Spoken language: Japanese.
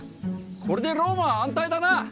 これでローマは安泰だな！